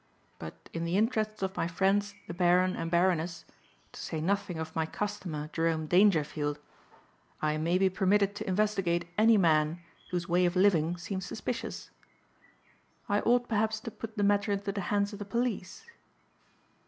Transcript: But in the interests of my friends the Baron and Baroness, to say nothing of my customer Jerome Dangerfield, I may be permitted to investigate any man whose way of living seems suspicious. I ought perhaps to put the matter into the hands of the police."